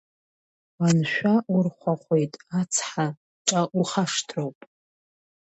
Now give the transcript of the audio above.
Уаншәа урхәахәеит, ацха ҿа ухашҭроуп!